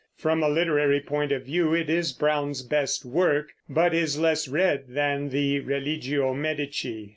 From a literary point of view it is Browne's best work, but is less read than the Religio Medici.